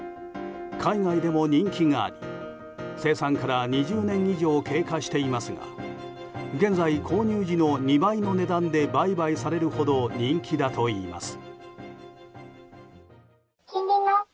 海外でも人気があり生産から２０年以上経過していますが現在、購入時の２倍の値段で売買されるほど人気だといいます。